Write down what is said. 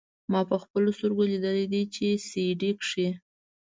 ما پخپلو سترګو ليدلي دي په سي ډي کښې.